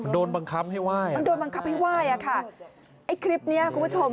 โดนบังคับให้ไหว้มันโดนบังคับให้ไหว้อ่ะค่ะไอ้คลิปเนี้ยคุณผู้ชม